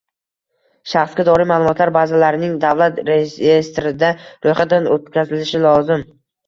Shaxsga doir ma’lumotlar bazalarining davlat reyestrida ro‘yxatdan o‘tkazilishi lozim.